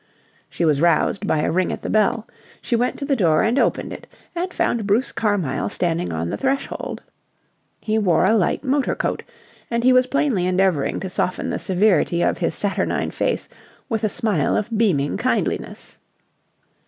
She was roused by a ring at the bell. She went to the door and opened it, and found Bruce Carmyle standing on the threshold. He wore a light motor coat, and he was plainly endeavouring to soften the severity of his saturnine face with a smile of beaming kindliness.